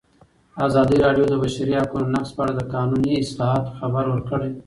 ازادي راډیو د د بشري حقونو نقض په اړه د قانوني اصلاحاتو خبر ورکړی.